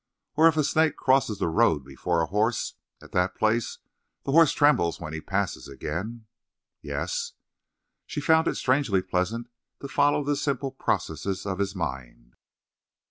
"Or if a snake crosses the road before a horse, at that place the horse trembles when he passes again." "Yes." She found it strangely pleasant to follow the simple processes of his mind.